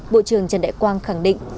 bộ trưởng trần đại quang khẳng định